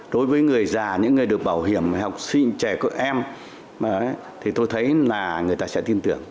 đối với người già những người được bảo hiểm học sinh trẻ có em thì tôi thấy là người ta sẽ tin tưởng